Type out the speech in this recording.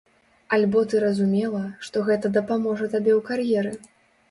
Альбо ты разумела, што гэта дапаможа табе ў кар'еры?